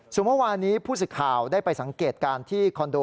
ส่วนเมื่อวานี้ผู้สิทธิ์ข่าวได้ไปสังเกตการณ์ที่คอนโด